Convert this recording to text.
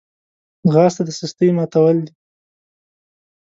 ځغاسته د سستۍ ماتول دي